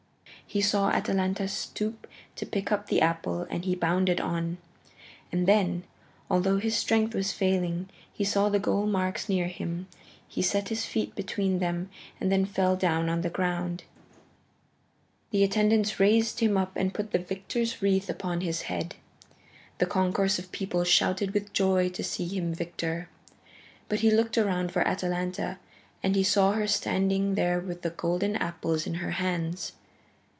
He saw Atalanta stoop to pick up the apple, and he bounded on. And then, although his strength was failing, he saw the goal marks near him. He set his feet between them and then fell down on the ground. The attendants raised him up and put the victor's wreath upon his head. The concourse of people shouted with joy to see him victor. But he looked around for Atalanta and he saw her standing there with the golden apples in her hands.